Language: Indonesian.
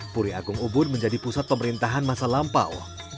puri agung ubun menjadi pusat pemerintahan masa lampau